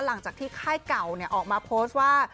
หลังจากที่ค่ายเก่าออกมาโพสต์ว่า